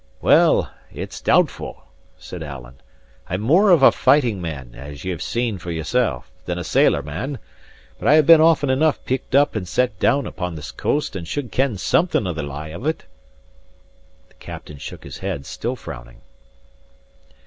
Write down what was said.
"Well, it's doubtful," said Alan. "I'm more of a fighting man (as ye have seen for yoursel') than a sailor man. But I have been often enough picked up and set down upon this coast, and should ken something of the lie of it." The captain shook his head, still frowning.